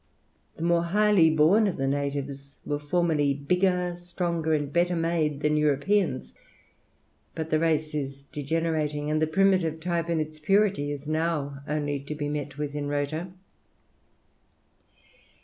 The more highly born of the natives were formerly bigger, stronger, and better made than Europeans, but the race is degenerating, and the primitive type in its purity is now only to be met with in Rota.